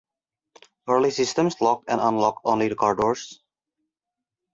Early systems locked and unlocked only the car doors.